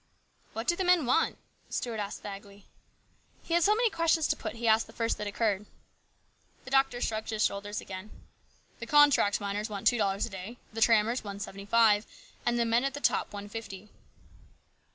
" What do the men want ?" Stuart asked vaguely. He had so many questions to put he asked the first that occurred. The doctor shrugged his shoulders again. THE GREAT STRIKE. 15 " The contract miners want two dollars a day, the trammers one seventy five, and the men at the top one fifty."